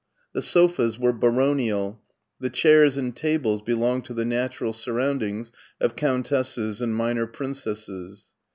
The sofas were baronial, the chairs and tables belonged to the natural surround ings of countesses and minor princesses.